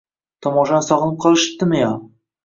Tomoshani sog‘inib qolishiptimi yo?